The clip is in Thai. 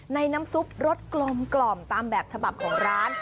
น้ำซุปรสกลมตามแบบฉบับของร้าน